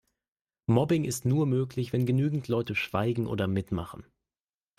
Mobbing ist nur möglich, wenn genügend Leute schweigen oder mitmachen.